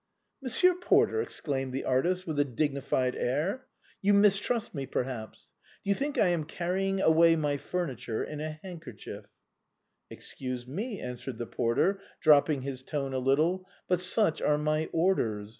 " Monsieur Porter," exclaimed the artist, with a dig nified air, " you mistrust me, perhaps ! Do you think I am carrying away my furniture in a handkerchief ?"" Excuse me," answered the porter, dropping his tone a little, " but such are my orders.